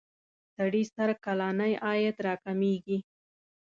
سړي سر کلنی عاید را کمیږی.